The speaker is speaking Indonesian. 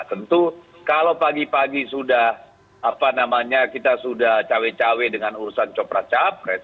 tentu kalau pagi pagi sudah apa namanya kita sudah cawe cawe dengan urusan copra capres